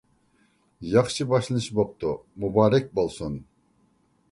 ياخشى باشلىنىش بوپتۇ، مۇبارەك بولسۇن.